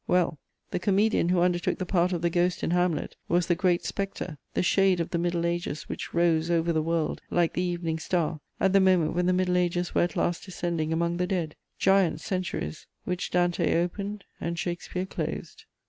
Well, the comedian who undertook the part of the Ghost in Hamlet was the great spectre, the shade of the Middle Ages which rose over the world like the evening star, at the moment when the Middle Ages were at last descending among the dead: giant centuries which Dante opened and Shakespeare closed.